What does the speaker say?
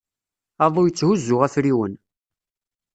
Aḍu yetthuzu afriwen.